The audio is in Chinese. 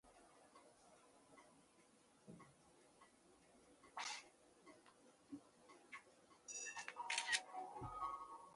舞蹈方面则由吴世勋师傅负责教授。